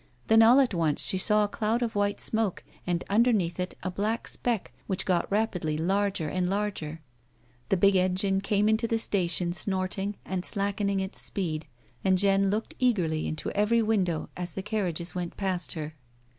Then, all at once, she saw a cloud of white smoke, and under neath it a black speck which got rapidly larger and larger. The big engine came into the station, snorting and slackening its speed, and Jeanne looked eagerly into every window as the carriages went past her.